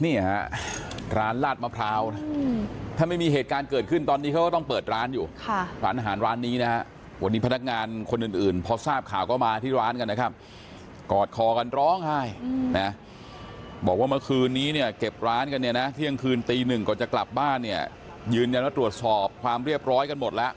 นี่ฮะร้านลาดมะพร้าวนะถ้าไม่มีเหตุการณ์เกิดขึ้นตอนนี้เขาก็ต้องเปิดร้านอยู่ร้านอาหารร้านนี้นะฮะวันนี้พนักงานคนอื่นพอทราบข่าวก็มาที่ร้านกันนะครับกอดคอกันร้องไห้นะบอกว่าเมื่อคืนนี้เนี่ยเก็บร้านกันเนี่ยนะเที่ยงคืนตีหนึ่งก่อนจะกลับบ้านเนี่ยยืนยันว่าตรวจสอบความเรียบร้อยกันหมดแล้ว